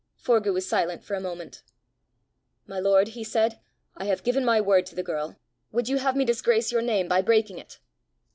Forgue was silent for a moment. "My lord," he said, "I have given my word to the girl: would you have me disgrace your name by breaking it?"